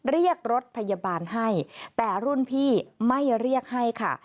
เรียกรถพยาบาลให้แต่รุ่นพี่ไม่เรียกให้ค่ะ